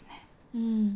うん。